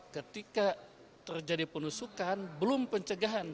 ketika terjadi penusukan belum pencegahan